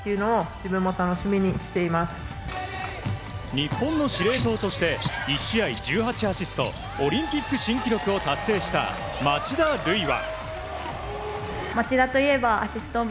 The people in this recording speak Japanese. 日本の司令塔として１試合１８アシストオリンピック新記録を達成した町田瑠唯は。